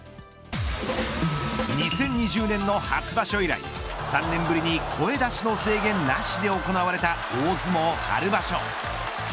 ２０２０年の初場所以来３年ぶりに声出しの制限なしで行われた大相撲春場所。